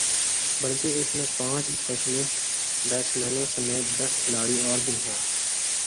بلکہ اس میں پانچ اسپیشلسٹ بیٹسمینوں سمیت دس کھلاڑی اور بھی ہیں